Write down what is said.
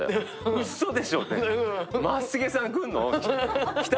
うそでしょって。